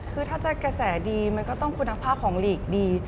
คือถ้าจะกระแสดีมันก็ต้องคุณภาพของลีกดี